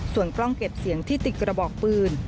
ส่วนกล้องเก็บเสียงที่ติดกระบอกปืน